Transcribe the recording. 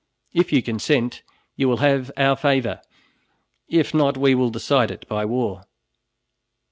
If you consent, you will have our favor; if not, we will decide it by war."